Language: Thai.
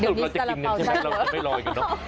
เดี๋ยวพอจะกินนี่ใช่ไหมเราจะไม่ลอยกันเนาะ